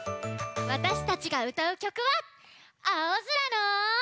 わたしたちがうたうきょくは「青空の」。